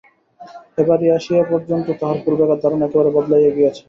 এ বাড়ি আসিয়া পর্যন্ত তাহার পূর্বেকার ধারণা একেবারে বদলাইয়া গিয়াছে।